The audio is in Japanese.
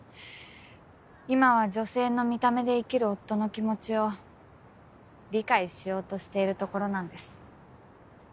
今は女性の見た目で生きる夫の気持ちを理解しようとしているところなんです。